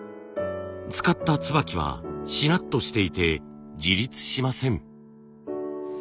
つかった椿はしなっとしていて自立しません。